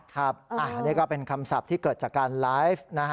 ครับนี่ก็เป็นคำศัพท์ที่เกิดจากการไลฟ์นะฮะ